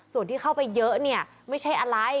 ส่วนที่เข้าไปเยอะเนี่ยไม่ใช่อะไร